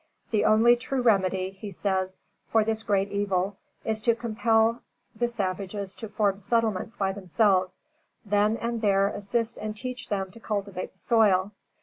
The only true remedy" (he says) "for this great evil is to compel the savages to form settlements by themselves. Then and there assist and teach them to cultivate the soil.